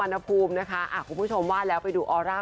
ออกงานอีเวนท์ครั้งแรกไปรับรางวัลเกี่ยวกับลูกทุ่ง